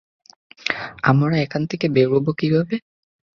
আমরা এখান থেকে বেরুবো কীভাবে?